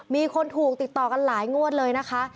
มีคนถูกติดต่อกันหลายงวดเลยนะคะ